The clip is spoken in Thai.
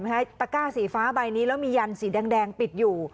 ฮะยังมั้ยตะกก้าสีฟ้าใบนี้แล้วมียันต์สีแดงปิดอยู่